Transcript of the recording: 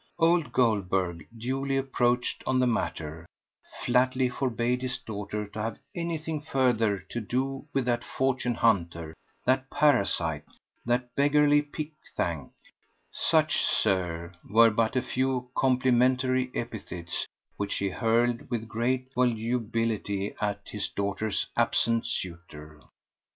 Old Goldberg, duly approached on the matter, flatly forbade his daughter to have anything further to do with that fortune hunter, that parasite, that beggarly pick thank—such, Sir, were but a few complimentary epithets which he hurled with great volubility at his daughter's absent suitor.